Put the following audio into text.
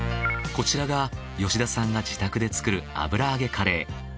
こちらが吉田さんが自宅で作る油揚げカレー。